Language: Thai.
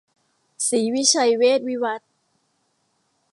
ศรีวิชัยเวชวิวัฒน์